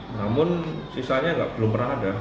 namun sisanya belum pernah ada